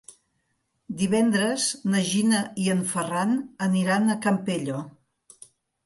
Divendres na Gina i en Ferran aniran al Campello.